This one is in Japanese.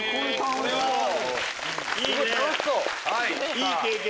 いい経験！